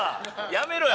やめろや！